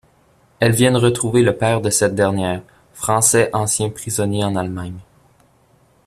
Elles viennent retrouver le père de cette dernière, Français ancien prisonnier en Allemagne.